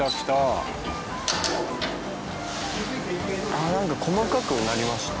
あっなんか細かくなりました？